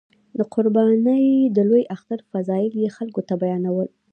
د قربانۍ د لوی اختر فضایل یې خلکو ته بیانول.